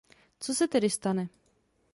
Co se tedy stane?